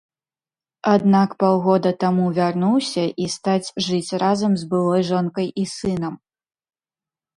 Аднак паўгода таму вярнуўся і стаць жыць разам з былой жонкай і сынам.